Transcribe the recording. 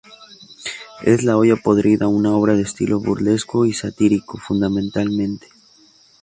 Es la "Olla podrida", una obra de estilo burlesco y satírico, fundamentalmente.